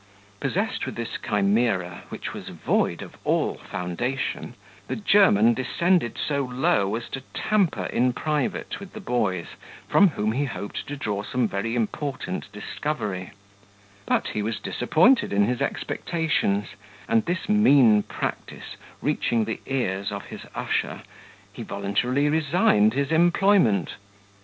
Possessed with this chimera, which was void of all foundation, the German descended so low as to tamper in private with the boys, from whom he hoped to draw some very important discovery; but he was disappointed in his expectations; and this mean practice reaching the ears of his usher, he voluntarily resigned his employment.